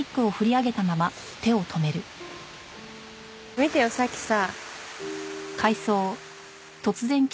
見てよ。さっきさ。